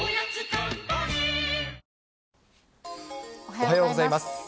おはようございます。